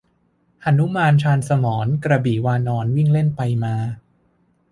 หนุมานชาญสมร กระบี่วานร วิ่งเล่นไปมา